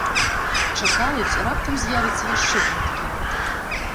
Чакаюць, раптам з'явяцца яшчэ квіткі.